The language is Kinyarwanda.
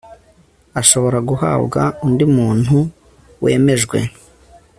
ashobora guhabwa undi muntu wemejwe